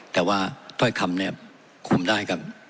แต่ว่าถ้อยคำเนี่ยคุมได้ครับ